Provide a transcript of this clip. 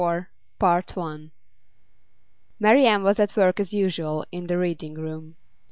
A CHECK Marian was at work as usual in the Reading room.